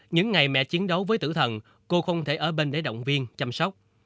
những ngày mẹ chiến đấu với tử thần cô không thể ở bên để động viên chăm sóc